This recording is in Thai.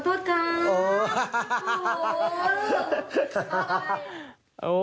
ขอโทษครับ